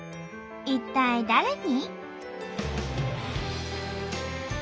一体誰に？